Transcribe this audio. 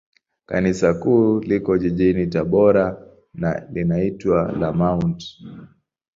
Kanisa Kuu liko jijini Tabora, na linaitwa la Mt.